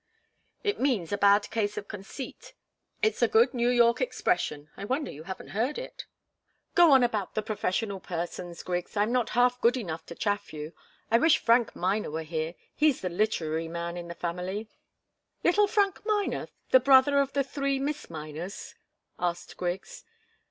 "It means a bad case of conceit. It's a good New York expression. I wonder you haven't heard it. Go on about the professional persons, Griggs. I'm not half good enough to chaff you. I wish Frank Miner were here. He's the literary man in the family." "Little Frank Miner the brother of the three Miss Miners?" asked Griggs.